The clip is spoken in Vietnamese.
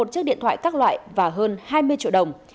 một mươi một chiếc điện thoại các loại và hơn hai mươi triệu đồng